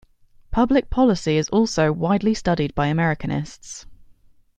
Public policy is also widely studied by Americanists.